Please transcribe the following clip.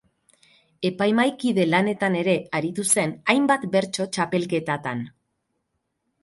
Epaimahaikide lanetan ere aritu zen hainbat bertso txapelketatan.